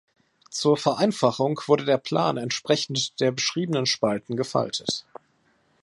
Zur Vereinfachung wurde der Plan entsprechend der beschriebenen Spalten gefaltet.